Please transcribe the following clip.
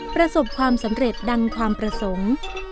ประสบความสำเร็จดังความประสงค์